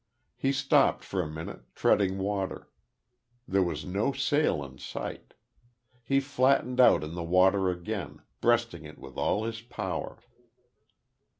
He stopped for a minute, treading water. There was no sail in sight. He flattened out in the water again, breasting it with all his power.